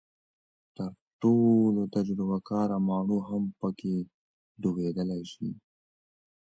تر ټولو تجربه کاره ماڼو هم پکې ډوبېدلی شي.